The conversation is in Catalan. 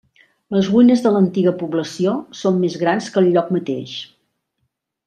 Les ruïnes de l'antiga població són més grans que el lloc mateix.